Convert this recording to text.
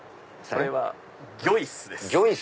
それは「魚イス⁉」です。